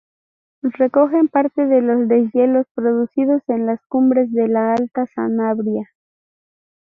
Recogen parte de los deshielos producidos en las cumbres de la Alta Sanabria.